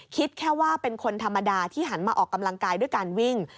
คิดแค่ว่าเป็นคนธรรมดาที่หันมาออกกำลังกายด้วยการวิ่ง